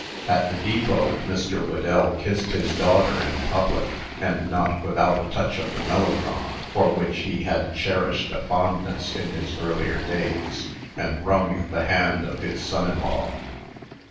At the depot, Mr. Whedell kissed his daughter in public, and not without a touch of the melodrama, for which he had cherished a fondness in his earlier days, and wrung the hand of his son in law.